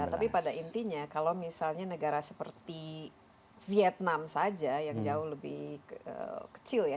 tapi pada intinya kalau misalnya negara seperti vietnam saja yang jauh lebih kecil ya